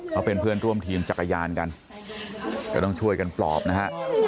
เขาเป็นเพื่อนร่วมทีมจักรยานกันก็ต้องช่วยกันปลอบนะฮะ